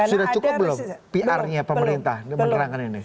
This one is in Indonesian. sudah cukup belum pr nya pemerintah menerangkan ini